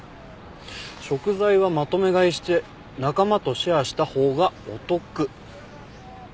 「食材はまとめ買いして仲間とシェアした方がお得！」